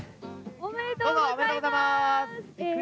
おめでとうございます。